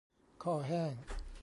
คอแห้ง